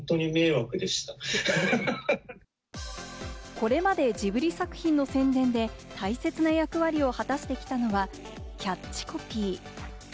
これまでジブリ作品の宣伝で大切な役割を果たしてきたのは、キャッチコピー。